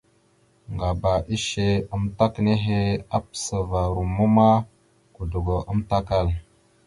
Ŋgaba ishe amətak nehe, apasəva romma ma, godogo amatəkal.